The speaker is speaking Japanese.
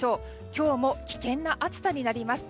今日も危険な暑さになります。